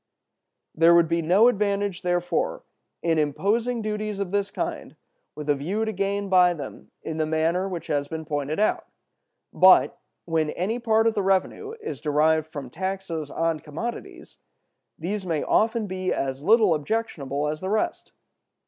"There would be no advantage, therefore, in imposing duties of this kind with a view to gain by them in the manner which has been pointed out. But, when any part of the revenue is derived from taxes on commodities, these may often be as little objectionable as the rest.